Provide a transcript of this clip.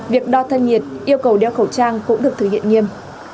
việc đo thân nhiệt yêu cầu đeo khẩu trang cũng được thực hiện nghiêm